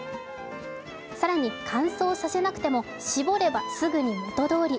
更に、乾燥させなくても絞ればすぐに元どおり。